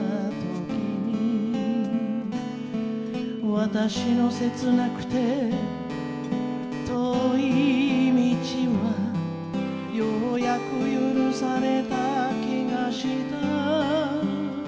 「私の切なくて遠い道はようやく許された気がした」